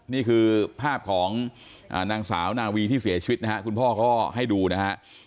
นี่คือภาพของนางสาวนาวีที่เสียชีวิตนะฮะคุณพ่อก็ให้ดูนะฮะ